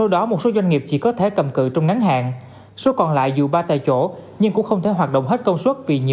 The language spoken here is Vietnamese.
dẫn đến hàng loạt các chi phí phát sinh